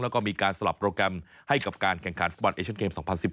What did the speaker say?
แล้วก็มีการสลับโปรแกรมให้กับการแข่งขันฟุตบอลเอเชียนเกม๒๐๑๘